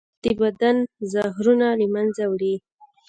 انار د بدن زهرونه له منځه وړي.